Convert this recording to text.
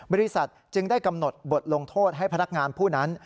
บริษัทจึงได้กำหนดบทลงโทษให้พนักงานผู้นั้น